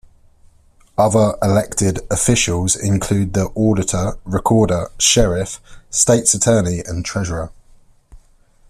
Other elected officials include the auditor, recorder, sheriff, state's attorney, and treasurer.